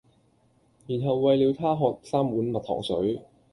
然後餵了她喝三碗蜜糖水